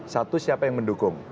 satu siapa yang mendukung